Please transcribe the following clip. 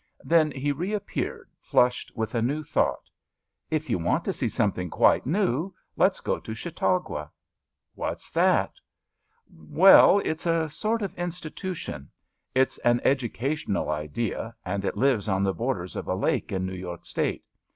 Then he reappeared flushed with a new thought. If you want to see something quite new let*s go to Chautauqua. '' What's that! Well, it*s a sort of institution. It's an educa tional idea, and it lives on the borders of a lake in New York State.